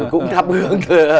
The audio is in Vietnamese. cũng thắp hướng